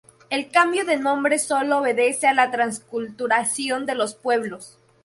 El cambio de nombre solo obedece a la transculturación de los pueblos.